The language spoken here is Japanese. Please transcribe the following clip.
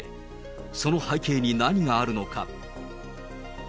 その背景に何があるのか。